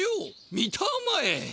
見たまえ。